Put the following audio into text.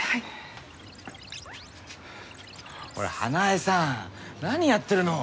ほら花絵さん何やってるの？